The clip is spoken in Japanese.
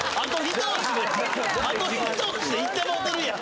あと一押しで行ってもうてるやん！